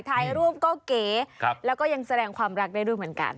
ถ่ายรูปก็เก๋แล้วก็ยังแสดงความรักได้ด้วยเหมือนกัน